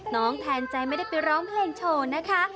น้องแทนใจไม่ได้ไปร้องเพลงโชว์นะคะ